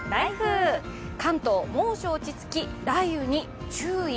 関東、猛暑落ち着き、雷雨に注意。